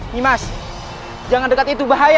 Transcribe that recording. nimas jangan dekat itu bahaya